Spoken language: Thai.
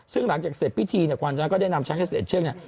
ซึ่งหลังจากเสร็จพิธีความช้างก็ได้นำช้างแท็กซ์๑๑เชือก